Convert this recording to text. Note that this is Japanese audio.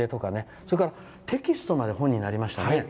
それからテキストまで本になりましたね。